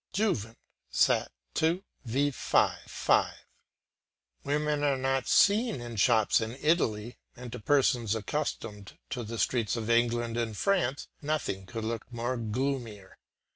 Juven. Sat. II. V. 55. Women are not seen in shops in Italy, and to persons accustomed to the streets of England and France nothing could look gloomier.